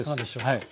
はい。